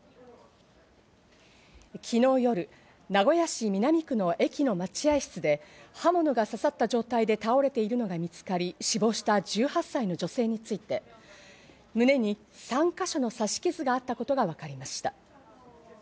昨日夜、名古屋市南区の駅の待合室で刃物が刺さった状態で倒れているのが見つかり、死亡した１８歳の女性について胸に３ヶ所の刺し傷があったことがわかりました。